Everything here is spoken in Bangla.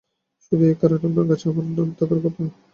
শুধু এই কারণেই আপনার কাছে আমার নাম মনে থাকার কথা।